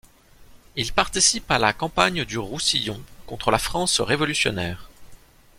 Il participe à la campagne du Roussillon contre la France révolutionnaire.